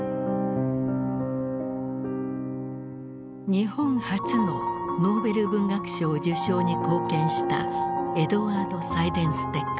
日本初のノーベル文学賞受賞に貢献したエドワード・サイデンステッカー。